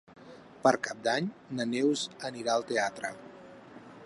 Per Cap d'Any na Neus anirà al teatre.